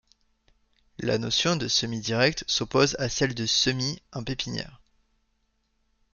La notion de semis direct, s'oppose à celle de semis en pépinière.